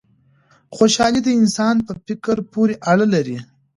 خوشحالي د انسان په فکر پوري اړه لري.